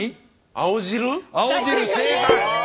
青汁正解！